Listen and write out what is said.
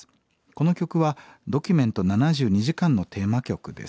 この曲は『ドキュメント７２時間』のテーマ曲です。